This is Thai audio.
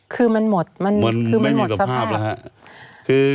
คือมันหมดมันไม่มีสภาพแล้วครับ